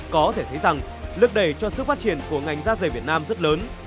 có thể thấy rằng lực đẩy cho sự phát triển của ngành da dày việt nam rất lớn